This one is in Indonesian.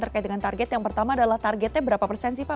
terkait dengan target yang pertama adalah targetnya berapa persen sih pak